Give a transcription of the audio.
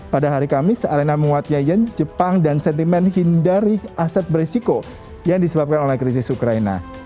pada hari kamis arena menguat ya yen jepang dan sentimen hindari aset berisiko yang disebabkan oleh krisis ukraina